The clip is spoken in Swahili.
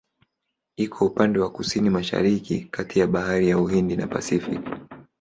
Iko upande wa Kusini-Mashariki kati ya Bahari ya Uhindi na Pasifiki.